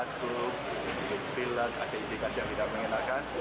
ada identifikasi yang tidak mengenakan